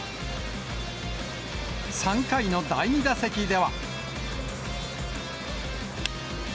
３回の第２打席では。